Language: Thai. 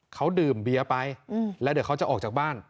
เขาดื่มเบียร์ไปแล้วเดี๋ยวเขาจะออกจากบ้าน